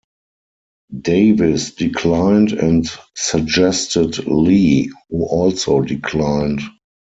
Davis declined and suggested Lee, who also declined.